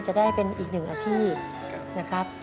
จะได้เป็นอีกหนึ่งอาชีพนะครับ